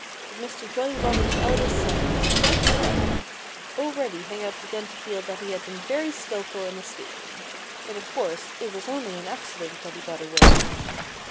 But Mr. Jolly Robin's eldest son was quite proud. Already he began to feel that he had been very skilful in escaping. But of course it was only an accident that he got away.